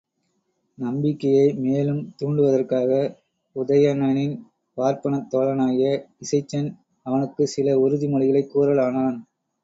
நம்பிக்கையை மேலும் துண்டுவதற்காக உதயணனின் பார்ப்பனத் தோழனாகிய இசைச்சன் அவனுக்குச் சில உறுதி மொழிகளைக் கூறலானான்.